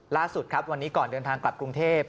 ล่าสุดครับวันนี้ก่อนเดินทางกลับกรุงเทพ